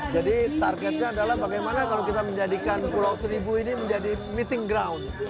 jadi targetnya adalah bagaimana kalau kita menjadikan pulau seribu ini menjadi meeting ground